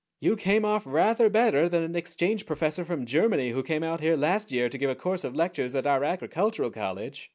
"You came off rather better than an exchange professor from Germany who came out here last year to give a course of lectures at our agricultural college.